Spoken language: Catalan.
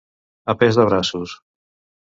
A pes de braços.